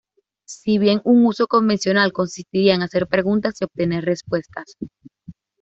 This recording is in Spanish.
Si bien un uso convencional consistiría en hacer preguntas y obtener respuestas.